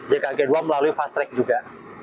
jangan lupa untuk menonton video selanjutnya